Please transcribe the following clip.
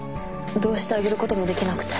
どうしてあげることもできなくて